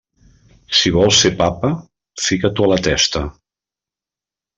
Si vols ser papa, fica-t'ho a la testa.